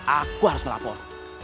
aku harus melapor